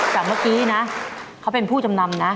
แต่เมื่อกี้นะเขาเป็นผู้จำนำนะ